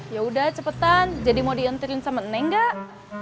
yaudah cepetan jadi mau diantirin sama neng gak